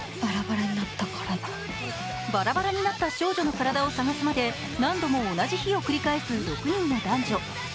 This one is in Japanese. バラバラになった少女の体を探すまで何度も同じ日を繰り返す６人の男女。